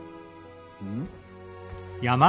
うん？